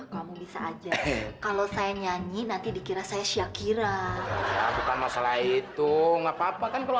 kamu bisa aja kalau saya nyanyi nanti dikira saya syakira bukan masalah itu enggak apa apa kan kalau